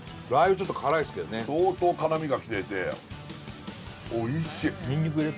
ちょっと辛いすけどね相当辛味がきてておいしいにんにく入れた？